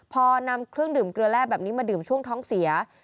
พอนำเครื่องดื่มเกลือแร่แบบนี้มาดื่มช่วงท้องเสีย